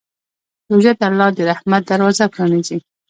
روژه د الله د رحمت دروازه پرانیزي.